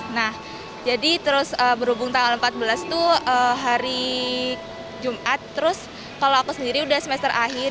nah jadi terus berhubung tanggal empat belas itu hari jumat terus kalau aku sendiri udah semester akhir